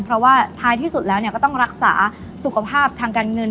เพราะว่าท้ายที่สุดแล้วก็ต้องรักษาสุขภาพทางการเงิน